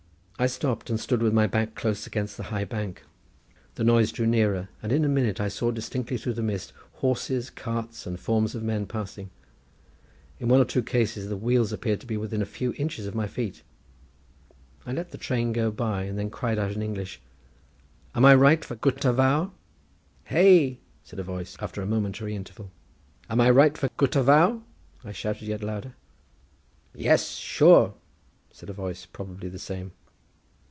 I stopped, and stood with my back close against the high bank. The noise drew nearer, and in a minute I saw indistinctly through the mist, horses, carts, and forms of men passing. In one or two cases the wheels appeared to be within a few inches of my feet. I let the train go by, and then cried out in English, "Am I right for Gutter Vawr?" "Hey?" said a voice, after a momentary interval. "Am I right for Gutter Vawr?" I shouted yet louder. "Yes, sure!" said a voice, probably the same.